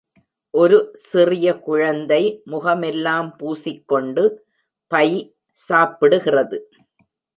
ஒரு சிறிய குழந்தை முகமெல்லாம் பூசிக்கொன்டு பை சாப்பிடுகிறது.